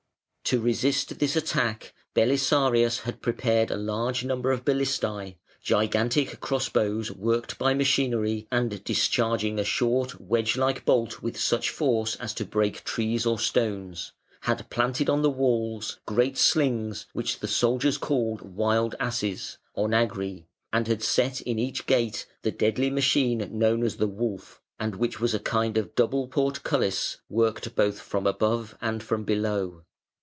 To resist this attack Belisarius had prepared a large number of Balistæ (gigantic cross bows worked by machinery and discharging a short wedge like bolt with such force as to break trees or stones) had planted on the walls, great slings, which the soldiers called Wild Asses (Onagri), and had set in each gate the deadly machine known as the Wolf, and which was a kind of double portcullis, worked both from above and from below.